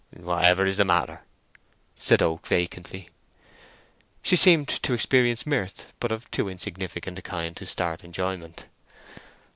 "Whatever is the matter?" said Oak, vacantly. She seemed to experience mirth, but of too insignificant a kind to start enjoyment.